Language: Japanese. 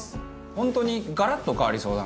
本当にガラッと変わりそうだな。